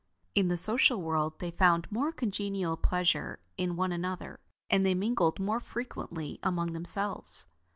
In the social world, they found more congenial pleasure in one another, and they mingled more frequently among themselves.